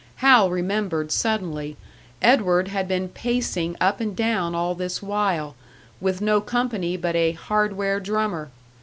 Hal remembered suddenly Edward had been pacing up and down all this while, with no company but a "hardware drummer!"